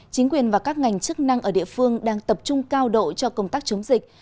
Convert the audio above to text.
chính quyền và các ngành chức năng ở địa phương đang tập trung cao độ cho công tác chống dịch